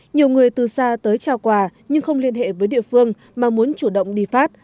nhiều người từ xa tới trao quà nhưng không liên hệ với địa phương mà muốn chủ động đi phát